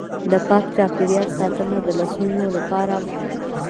د پاک چاپیریال ساتنه د نسلونو لپاره مهمه ده.